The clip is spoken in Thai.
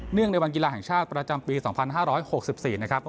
งในวันกีฬาแห่งชาติประจำปี๒๕๖๔นะครับ